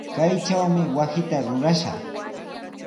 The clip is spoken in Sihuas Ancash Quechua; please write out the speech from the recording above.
Kaytrawmi wasita rurashaq.